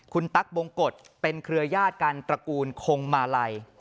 คุณตั๊กบงกฎเป็นเครือยาศกันตระกูลคงมาลัย